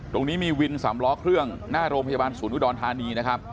ตรงนี้มีวินสามล้อเครื่องหน้าโรงพยาบาลศูนย์อุดรธานีนะครับ